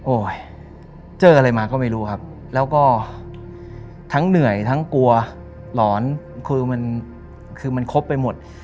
เจออะไรมาก็ไม่รู้ครับแล้วก็ทั้งเหนื่อยทั้งกลัวหลอนคือมันคือมันครบไปหมด